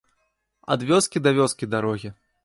Ад вёскі да вёскі дарогі.